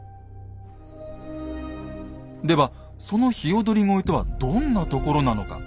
ではその鵯越とはどんなところなのか。